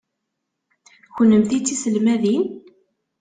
Kennemti d tiselmadin?